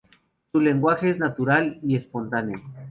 Su lenguaje es natural y espontáneo.